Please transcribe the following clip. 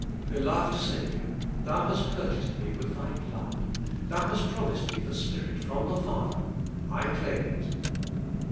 Beloved Saviour, Thou hast purchased me with Thy blood, Thou hast promised me the Spirit from the Father, I claim it."